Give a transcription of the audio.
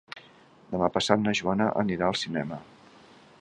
Demà passat na Joana anirà al cinema.